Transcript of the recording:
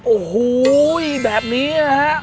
โอ้โหแบบนี้นะฮะ